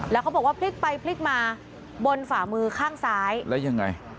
แล้วเขาบอกว่าพลิกไปพลิกมาบนฝ่ามือข้างซ้ายแล้วยังไง